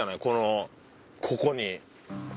このここに。